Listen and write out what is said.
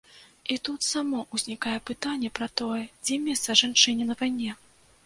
І тут само ўзнікае пытанне пра тое, ці месца жанчыне на вайне.